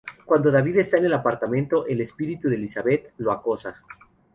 Cuando David está en el apartamento, el espíritu de Elizabeth lo acosa.